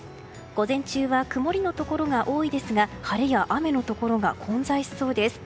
午前中は曇りのところが多いですが晴れや雨のところが混在しそうです。